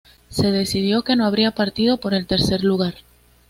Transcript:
Se decidió que no habría partido por el tercer lugar.